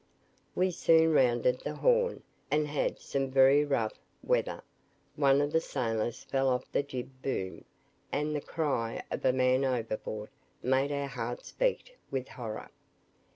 We soon rounded the Horn, and had some very rough weather. One of the sailors fell off the jib boom; and the cry of "man overboard" made our hearts beat with horror.